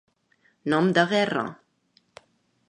Nom de guerra.